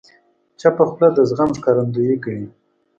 چپه خوله، د زغم ښکارندویي کوي.